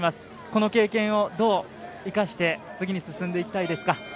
この経験をどう生かして次に進んでいきたいですか。